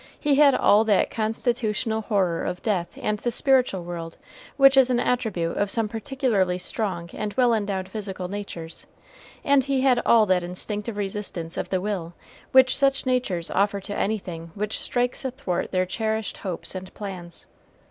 He had all that constitutional horror of death and the spiritual world which is an attribute of some particularly strong and well endowed physical natures, and he had all that instinctive resistance of the will which such natures offer to anything which strikes athwart their cherished hopes and plans.